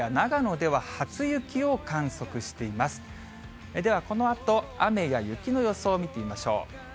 ではこのあと、雨や雪の予想を見てみましょう。